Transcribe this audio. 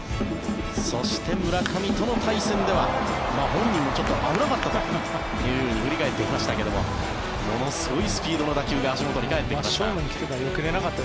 そして、村上との対戦では本人もちょっと危なかったと振り返っていましたがものすごいスピードの打球が足元に返ってきました。